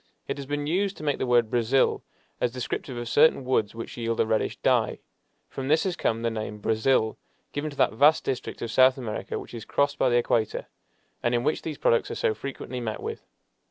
It has been used to make the word "brazil," as descriptive of certain woods which yield a reddish dye. From this has come the name "Brazil," given to that vast district of South America which is crossed by the equator, and in which these products are so frequently met with.